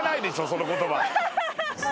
その言葉。